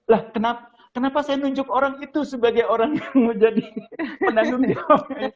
lah kenapa saya nunjuk orang itu sebagai orang yang menjadi penanggung jawab itu